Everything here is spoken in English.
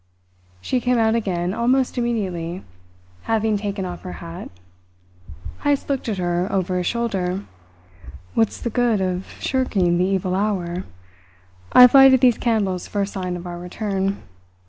She came out again almost immediately, having taken off her hat. Heyst looked at her over his shoulder. "What's the good of shirking the evil hour? I've lighted these candles for a sign of our return.